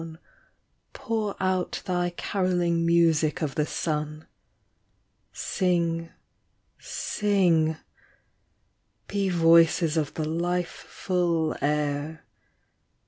Pour out thy carolling music of the sun. Sing, sing ; be voices of the life ful air.